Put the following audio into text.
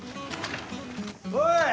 おい！